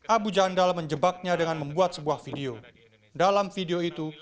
abu jandal menjebaknya dengan membuat sebuah video dalam video itu